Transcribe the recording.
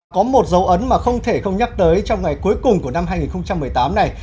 có một dấu ấn mà không thể không nhắc tới trong ngày cuối cùng của năm hai nghìn một mươi tám này